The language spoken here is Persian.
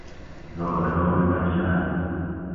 زائران مشهد